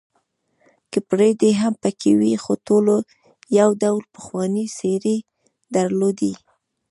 که پردي هم پکې وې، خو ټولو یو ډول پخوانۍ څېرې درلودې.